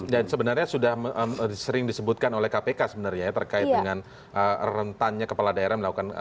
dan sebenarnya sudah sering disebutkan oleh kpk sebenarnya terkait dengan rentannya kepala daerah melakukan